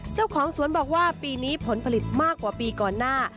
เจ้าของสวนบอกว่าปีนี้ผลผลิตมากกว่าปีก่อนหน้า